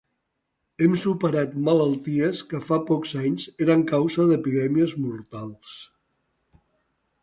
Hem superat malalties que fa pocs anys eren causa d’epidèmies mortals.